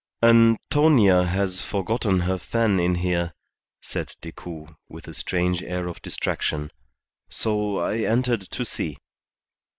"Antonia has forgotten her fan in here," said Decoud, with a strange air of distraction; "so I entered to see."